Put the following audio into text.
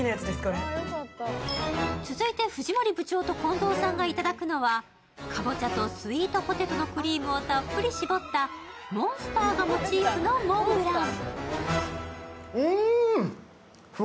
続いて藤森部長と近藤さんがいただくのはかぼちゃとスイートポテトのクリームをたっぷりと搾ったモンスターがモチーフのモンブラン。